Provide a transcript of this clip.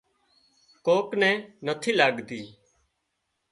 ڪوڪ نين نٿِي لاڳتي